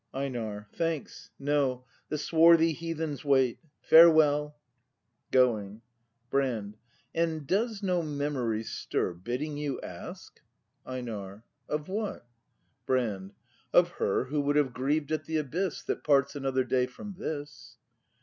Einar. Thanks, no; the swarthy Heathens wait. — Farewell. [Going. Brand. And does no memory stir. Bidding you ask —? ACT V] BRAND 251 EiNAR. Of what ? Brand. . Of her Who would have grieved at the abyss, That parts another day from this.